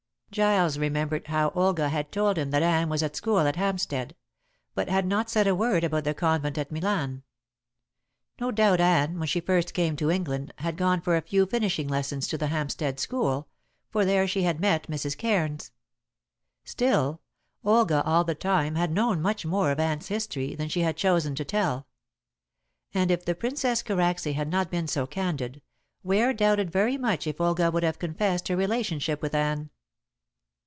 Giles remembered how Olga had told him that Anne was at school at Hampstead, but had not said a word about the convent at Milan. No doubt Anne, when she first came to England, had gone for a few finishing lessons to the Hampstead school, for there she had met Mrs. Cairns. Still, Olga all the time had known much more of Anne's history than she had chosen to tell. And if the Princess Karacsay had not been so candid, Ware doubted very much if Olga would have confessed her relationship with Anne.